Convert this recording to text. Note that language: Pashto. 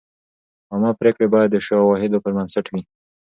عامه پریکړې باید د شواهدو پر بنسټ وي.